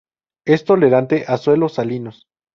Es tolerante a suelos salinos.